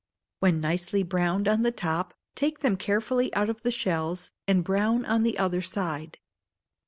When nicely browned on the top, take them carefully out of the shells, and brown on the other side.